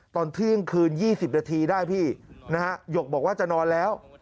ตอนเที่ยงคืน๒๐นาทีได้พี่นะฮะหยกบอกว่าจะนอนแล้ว